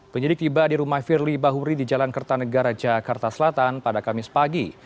penyidik tiba di rumah firly bahuri di jalan kertanegara jakarta selatan pada kamis pagi